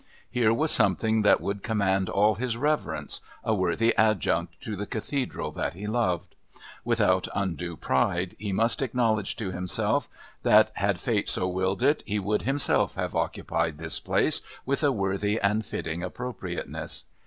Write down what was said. Here was something that would command all his reverence, a worthy adjunct to the Cathedral that he loved; without undue pride he must acknowledge to himself that, had fate so willed it, he would himself have occupied this place with a worthy and fitting appropriateness.